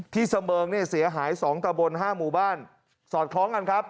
ที่เสมองเสียหาย๒ตะบน๕หมู่บ้านสอดคล้องกันครับ